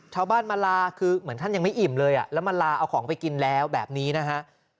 ชาวบ้านมาลาคือเหมือนท่านยังไม่อิ่มเลยแล้วมาลาเอาของไปกินแล้วแบบนี้นะฮะ